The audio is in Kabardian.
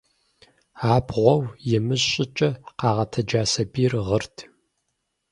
Абгъуауэ имыщӀ щӀыкӀэ къагъэтэджа сабийр гъырт.